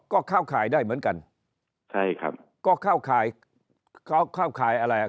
ก็เข้าข่ายได้เหมือนกันใช่ครับก็เข้าข่ายเข้าเข้าข่ายอะไรอ่ะ